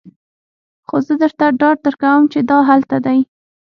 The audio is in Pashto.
خو زه درته ډاډ درکوم چې دا هلته دی